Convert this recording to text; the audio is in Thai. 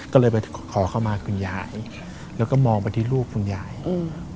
ก็เลยไปขอเข้ามาคุณยายแล้วก็มองไปที่ลูกคุณยายอืม